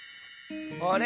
あれ？